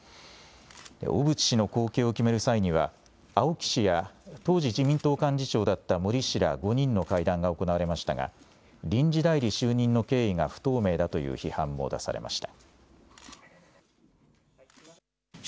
小渕氏の後継を決める際には、青木氏や、当時、自民党幹事長だった森氏ら５人の会談が行われましたが、臨時代理就任の経緯が不透明だという批判も出されました。